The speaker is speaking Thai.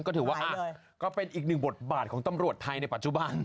ก็ถือว่าก็เป็นอีกหนึ่งบทบาทของตำรวจไทยในปัจจุบัน